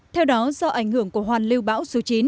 theo đó do ảnh hưởng của hoàn lưu bão số chín